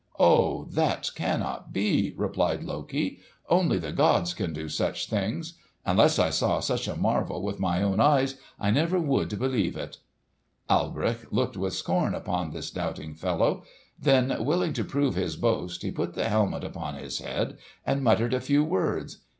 "Oh, that cannot be!" replied Loki. "Only the gods can do such things. Unless I saw such a marvel with my own eyes, I never would believe it." Alberich looked with scorn upon this doubting fellow; then willing to prove his boast, he put the helmet upon his head and muttered a few words.